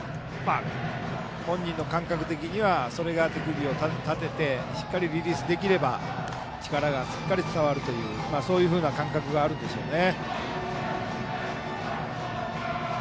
本人の感覚的にはそれが手首を立ててリリースできれば力がしっかり伝わるというそういうふうな感覚があるんでしょうね。